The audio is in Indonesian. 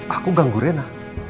aku ganggu rena